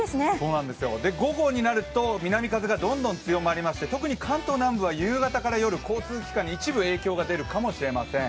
午後になると南風がどんどん強まりまして特に関東南部は夕方から夜、交通機関に一部、影響が出るかもしれません。